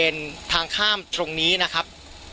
ก็จะขึ้นไปบริเวณทางข้ามตรงนี้นะครับ